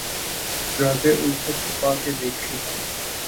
راز الفت چھپا کے دیکھ لیا